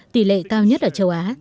tỷ lệ cao nhất ở châu á